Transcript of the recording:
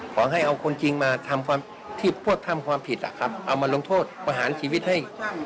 ขอให้เอาคนจริงที่พวกทำความผิดมาลงโทษผ่านชีวิตให้